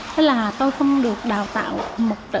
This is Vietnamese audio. thế là tôi không được đào tạo